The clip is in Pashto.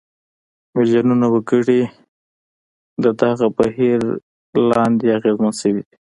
میلیونونه وګړي د دغه بهیر لاندې اغېزمن شوي دي.